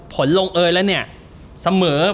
ผลลงเอยแล้วเนี่ยเสมอ